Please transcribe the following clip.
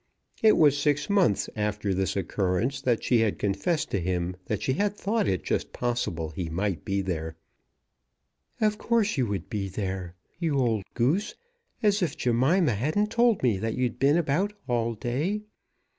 It was six months after this occurrence that she confessed to him that she had thought it just possible that he might be there. "Of course you would be there, you old goose; as if Jemima hadn't told me that you'd been about all day.